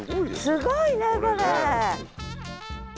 すごいねこれ。